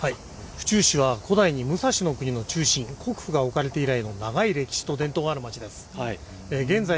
府中市は古代に国府が置かれている長い歴史と伝統がある町です。